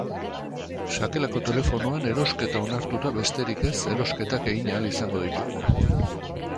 Sakelako telefonoan erosketa onartuta besterik ez erosketak egin ahal izango ditugu.